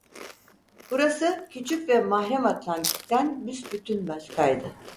Burası küçük ve mahrem Atlantik'ten büsbütün başkaydı.